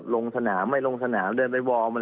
ลงสนามไม่ลงสนามเดินไปวอร์ม